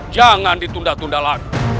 jangan ditunda tunda lagi